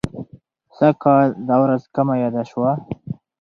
سږ کال دا ورځ کمه یاده شوه.